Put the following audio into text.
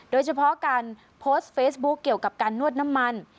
โดยเฉพาะการโพสต์เฟซบุ๊คเกี่ยวกับการนวดน้ำมัน